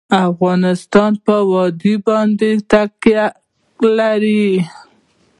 افغانستان په وادي باندې تکیه لري.